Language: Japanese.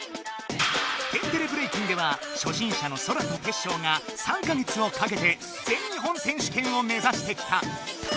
「天てれブレイキン」ではしょしんしゃのソラとテッショウが３か月をかけて「全日本選手権」を目ざしてきた。